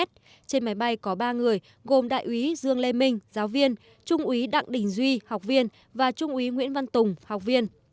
trên máy bay có ba người gồm đại úy dương lê minh giáo viên trung úy đặng đình duy học viên và trung úy nguyễn văn tùng học viên